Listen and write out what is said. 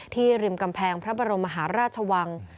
ริมกำแพงพระบรมมหาราชวัง